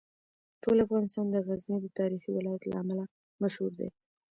ټول افغانستان د غزني د تاریخي ولایت له امله مشهور دی.